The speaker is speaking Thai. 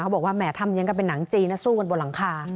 เขาบอกว่าแหม่ทำเย็นกับเป็นหนังจีนสู้กันบนหลังคา